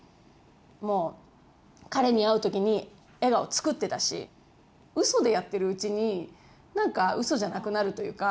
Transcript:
もう彼に会う時に笑顔作ってたしうそでやってるうちになんかうそじゃなくなるというか。